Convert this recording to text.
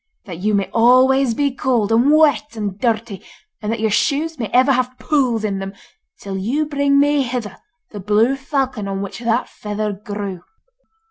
That you may always be cold, and wet and dirty, and that your shoes may ever have pools in them, till you bring me hither the blue falcon on which that feather grew.